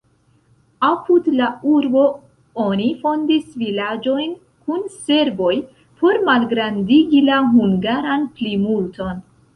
Apud la urbo oni fondis vilaĝojn kun serboj por malgrandigi la hungaran plimulton.